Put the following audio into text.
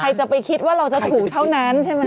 ใครจะไปคิดว่าเราจะถูกเท่านั้นใช่ไหม